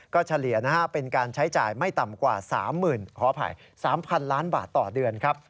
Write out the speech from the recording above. ก็เฉลี่ยเป็นการใช้จ่ายไม่ต่ำกว่า๓หมื่นขออภัย๓๐๐๐ล้านบาทต่อเดือน